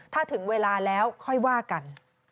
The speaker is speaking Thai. ถ้าถึงเวลาแล้วค่อยว่ากัน